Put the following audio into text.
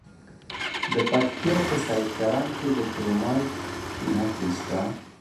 د پکتیا په سید کرم کې د کرومایټ نښې شته.